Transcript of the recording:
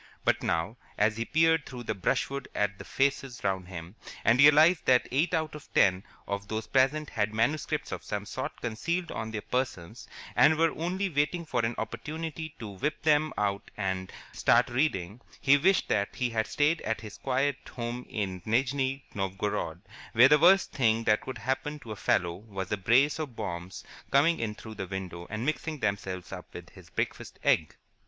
But now, as he peered through the brushwood at the faces round him, and realized that eight out of ten of those present had manuscripts of some sort concealed on their persons, and were only waiting for an opportunity to whip them out and start reading, he wished that he had stayed at his quiet home in Nijni Novgorod, where the worst thing that could happen to a fellow was a brace of bombs coming in through the window and mixing themselves up with his breakfast egg.